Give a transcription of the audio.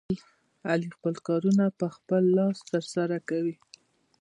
علي خپل کارونه په خپل لاس ترسره کوي.